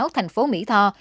thành phố mỹ tho